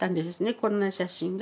こんな写真が。